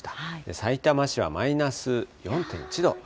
さいたま市はマイナス４．１度。